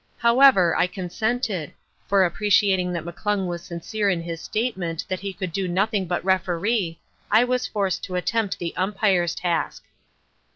However, I consented; for appreciating that McClung was sincere in his statement that he would do nothing but referee, I was forced to accept the Umpire's task.